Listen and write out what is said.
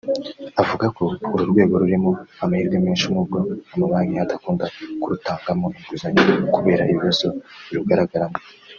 Avuga ko uru rwego rurimo amahirwe menshi nubwo amabanki adakunda kurutangamo inguzanyo kubera ibibazo birugaragaramo